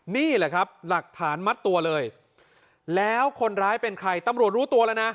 นี่แหละครับหลักฐานมัดตัวเลยแล้วคนร้ายเป็นใครตำรวจรู้ตัวแล้วนะ